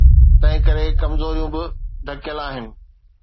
تنهنڪري ڪمزوريون به ڍڪيل آهن.